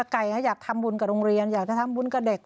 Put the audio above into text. ไก่อยากทำบุญกับโรงเรียนอยากจะทำบุญกับเด็ก